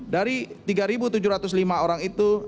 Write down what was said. dari tiga tujuh ratus lima orang itu